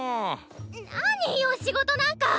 なによ仕事なんか！